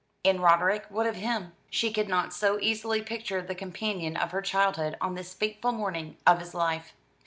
And Roderick, what of him? She could not so easily picture the companion of her childhood on this fateful morning of his life.